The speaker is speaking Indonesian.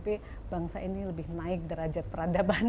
tapi bangsa ini lebih naik derajat peradaban